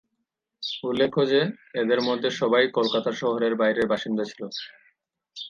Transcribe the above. উল্লেখ্য যে, এদের মধ্যে সবাই কলকাতা শহরের বাইরের বাসিন্দা ছিল।